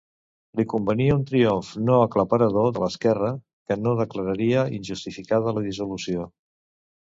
Li convenia un triomf no aclaparador de l'esquerra, que no declararia injustificada la dissolució.